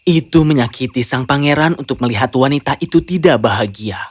itu menyakiti sang pangeran untuk melihat wanita itu tidak bahagia